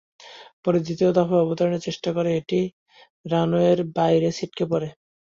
পরে দ্বিতীয় দফায় অবতরণের চেষ্টা করে এটি রানওয়ের বাইরে ছিটকে পড়ে।